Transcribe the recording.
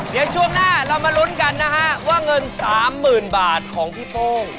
เดี๋ยวช่วงหน้าเรามาลุ้นกันนะฮะว่าเงิน๓๐๐๐บาทของพี่โป้ง